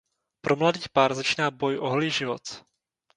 Pro mladý pár začíná boj o holý život.